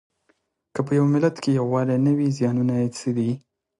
که په یوه ملت کې یووالی نه وي زیانونه یې څه دي؟